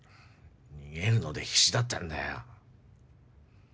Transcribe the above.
逃げるので必死だったんだよ。